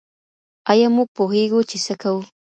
ایا موږ پوهیږو چي څه کوو؟